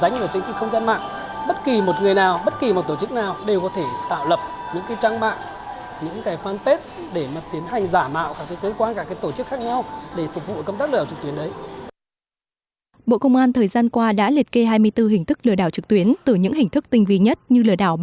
hiện hoạt động lợi dụng không gian mạng để tiến hành phạm công nghệ cao